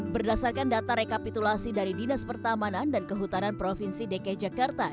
berdasarkan data rekapitulasi dari dinas pertamanan dan kehutanan provinsi dki jakarta